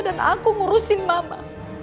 dan aku ngurusin mama